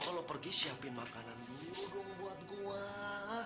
harus siapin makanan buat buah